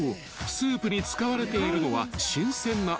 スープに使われているのは］